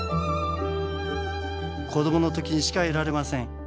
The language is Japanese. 子どもの時しか得られません。